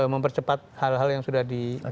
mempercepat hal hal yang sudah di